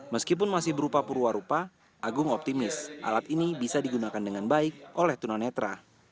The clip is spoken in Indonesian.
meskipun masih berupa purua rupa agung optimis alat ini bisa digunakan dengan baik oleh tuna netra